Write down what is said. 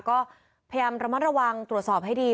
ก็พยายามระมัดระวังตรวจสอบให้ดี